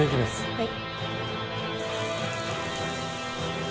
はい。